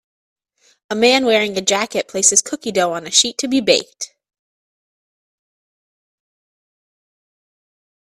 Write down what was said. A man wearing a jacket places cookie dough on a sheet to be baked